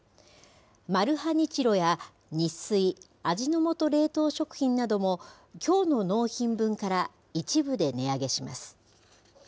マルハニチロやニッスイ、味の素冷凍食品なども、きょうの納品分から一部で値上げします。